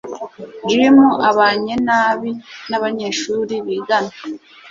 Jim abanye nabi nabanyeshuri bigana.